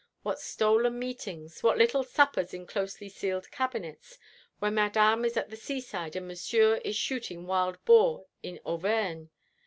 What stolen meetings, what little suppers in closely sealed cabinets, when Madame is at the seaside and Monsieur is shooting wild boar in Auvergne!